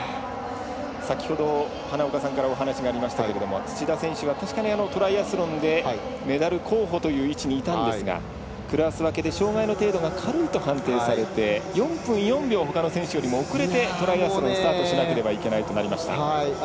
先ほど、花岡さんからお話がありましたけれども土田選手はトライアスロンでメダル候補という位置にいたんですがクラス分けで障がいの程度が軽いと判定されて４分４秒ほかの選手よりも遅れてトライアスロンスタートしなければならなくなりました。